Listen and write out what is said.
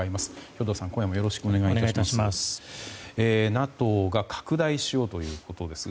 兵頭さん、今夜もよろしくお願い致します。